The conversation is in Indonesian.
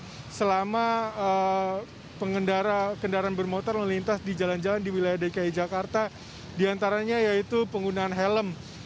karena selama pengendara kendaraan bermotor melintas di jalan jalan di wilayah dki jakarta diantaranya yaitu penggunaan helm